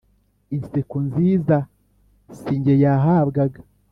inseko nziza si njye yahabwaga